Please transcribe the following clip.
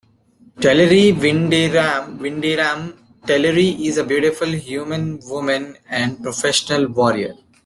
Telerie Windyarm - Telerie is a beautiful human woman and professional warrior.